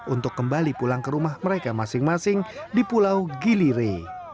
untuk kembali pulang ke rumah mereka masing masing di pulau gilire